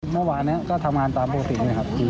เมื่อวานนี้ก็ทำงานตามปกติเลยครับ